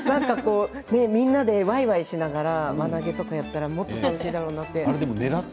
みんなで、わいわいしながら輪投げやったらもっと楽しいだろうなと思って。